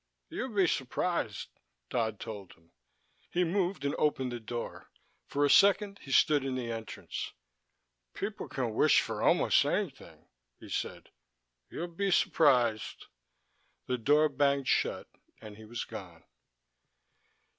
"You'd be surprised," Dodd told him. He moved and opened the door. For a second he stood in the entrance. "People can wish for almost anything," he said. "You'd be surprised." The door banged shut and he was gone.